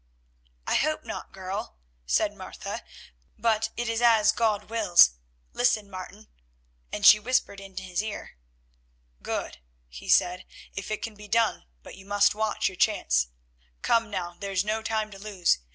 "I hope not, girl," said Martha, "but it is as God wills. Listen, Martin," and she whispered in his ear. "Good," he said, "if it can be done, but you must watch your chance. Come, now, there is no time to lose.